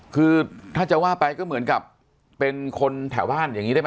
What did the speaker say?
คือถ้าจะว่าไปก็เหมือนกับเป็นคนแถวบ้านอย่างนี้ได้ไหม